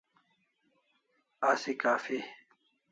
Asi kaffi